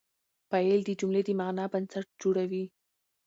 فاعل د جملې د معنی بنسټ جوړوي.